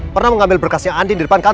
pernah mengambil berkasnya andin di depan kamu